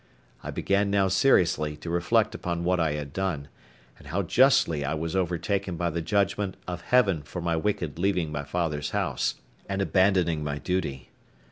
I began now seriously to reflect upon what I had done, and how justly I was overtaken by the judgment of Heaven for my wicked leaving my father's house, and abandoning my duty.